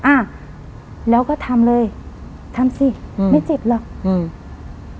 อ่ะแล้วก็ทำเลยทำสิอืมไม่เจ็บหรอกอืม